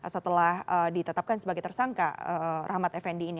setelah ditetapkan sebagai tersangka rahmat effendi ini